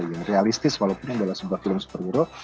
yang realistis walaupun adalah sebuah film superhero